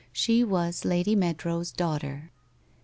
She was Lady Meadrow's daughter.